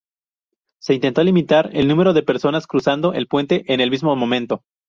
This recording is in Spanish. Se intentó limitar el número de personas cruzando el puente en el mismo momento.